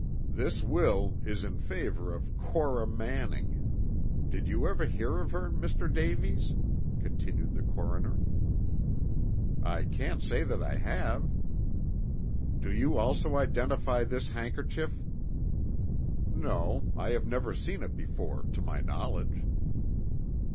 "This will is in favor of Cora Manning. Did you ever hear of her, Mr. Davies?" continued the coroner. "I can't say that I have." "Do you also identify this handkerchief?" "No, I have never seen it before to my knowledge."